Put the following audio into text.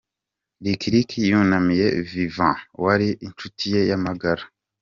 Lick Lick yunamiye Vivant wari inshuti ye magara.